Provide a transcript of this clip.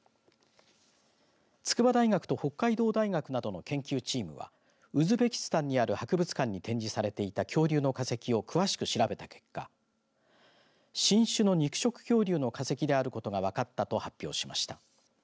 筑波大学と北海道大学などの研究チームはウズベキスタンにある博物館に展示されていた恐竜の化石を詳しく調べた結果新種の肉食恐竜の化石であることが分かったと発表しました。